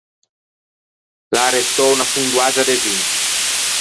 L’é arrestou unna fondoaggia de vin.